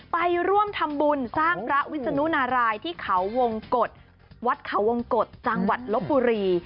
ไปร่วมทำบุญสร้างพระวิศนุนารายที่เขาวงกฎวัดเขาวงกฎจังหวัดลบบุรี